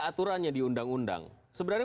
aturannya diundang undang sebenarnya